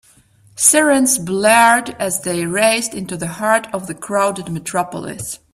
Sirens blared as they raced into the heart of the crowded metropolis.